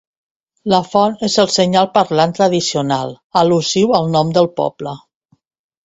La font és el senyal parlant tradicional, al·lusiu al nom del poble.